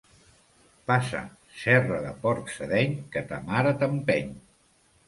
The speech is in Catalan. Passa, cerra de porc sedeny, que ta mare t'empeny.